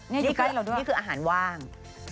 นี่คืออาหารว่าง